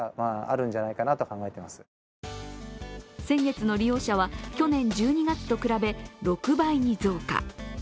先月の利用者は、去年１２月と比べ６倍に増加。